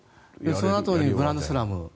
そのあとにグランドスラム。